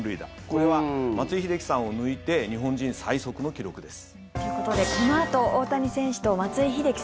これは松井秀喜さんを抜いて日本人最速の記録です。